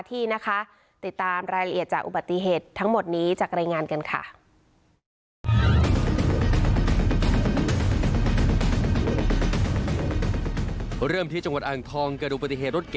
ที่นะคะติดตามรายละเอียดจากอุบัติเหตุทั้งหมดนี้จากรายงานกันค่ะ